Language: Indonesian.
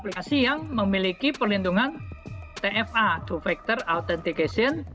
aplikasi yang memiliki perlindungan tfa two factor authentication